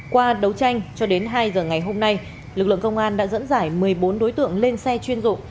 qua đấu tranh cho đến hai giờ ngày hôm nay lực lượng công an đã dẫn dải một mươi bốn đối tượng lên xe chuyên dụng